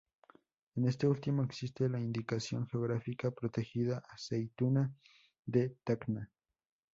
En este último existe la indicación geográfica protegida aceituna de Tacna.